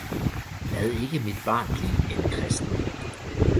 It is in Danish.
Lad ikke mit barn blive en kristen!